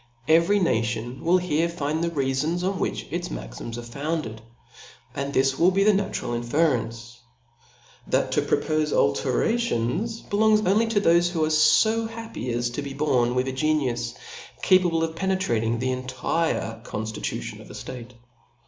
Every nation wilj here find the reafons! pn which, its maxiqis are founded j and this will be the natural in ference, that to propofe. alterations, belongs only tOf thofe who ^fofo. happy j^S'to be born with a genius capaSle of penetrating intp the entire conftitution of a ftate.